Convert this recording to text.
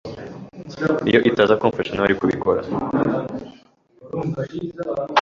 Iyo itaza kumufasha, ntiwari kubikora.